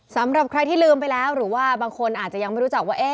สำหรับใครที่ลืมไปแล้วหรือว่าบางคนอาจจะยังไม่รู้จักว่า